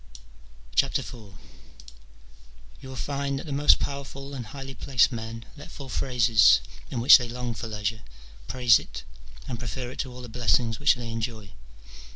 IV. You will find that the most powerful and highly placed men let fall phrases in which they long for leisure, praise it, and prefer it to all the blessings which they enjoy.